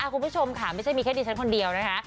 คุณผู้ชมค่ะไม่ใช่มีแค่ดิฉันคนเดียวนะคะ